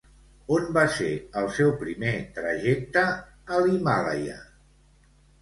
On va ser el seu primer trajecte a l'Himàlaia?